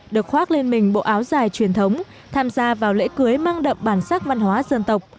được khoác lên mình bộ áo dài truyền thống tham gia vào lễ cưới mang đậm bản sắc văn hóa dân tộc